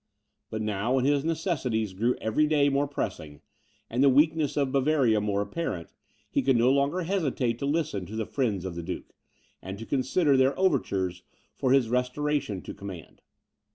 But now when his necessities grew every day more pressing, and the weakness of Bavaria more apparent, he could no longer hesitate to listen to the friends of the duke, and to consider their overtures for his restoration to command.